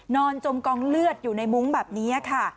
จมกองเลือดอยู่ในมุ้งแบบนี้ค่ะ